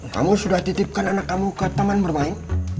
kamu sudah titipkan anak kamu ke taman bermain